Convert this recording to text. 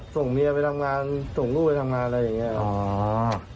ส่งเมียไปทำงานส่งลูกไปทำงานอะไรอย่างนี้